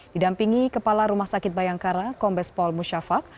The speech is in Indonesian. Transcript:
didampingi kepala rumah sakit bayangkara kombes paul mushafak